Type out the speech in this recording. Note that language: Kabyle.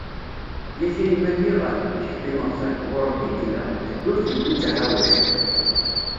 Yak a yemma nniɣ-am, lḥeq imeɣban, ɣur Rebbi i yella, ḥedd ur t-yewwi d taḥawact.